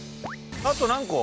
あと何個？